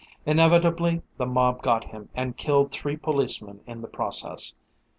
Inevitably the mob got him and killed three policemen in the process.